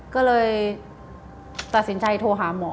ก็เลยตัดสินใจโทรหาหมอ